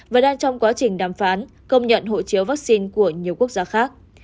và đang trong quá trình đàm phán công nhận hộ chiếu vaccine của nhiều quốc gia khác